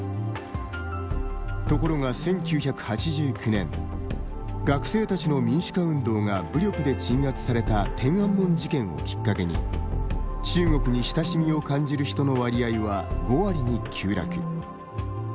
ところが１９８９年、学生たちの民主化運動が武力で鎮圧された天安門事件をきっかけに中国に親しみを感じる人の割合は５割に急落。